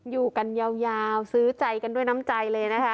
อยู่กันยาวซื้อใจกันด้วยน้ำใจเลยนะคะ